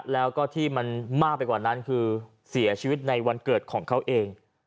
แล้วก็ที่มันมากไปกว่านั้นคือเสียชีวิตในวันเกิดของเขาเอง